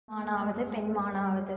ஆண் மானாவது, பெண் மானாவது?